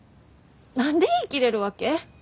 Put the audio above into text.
何で言い切れるわけ？